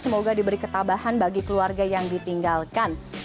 semoga diberi ketabahan bagi keluarga yang ditinggalkan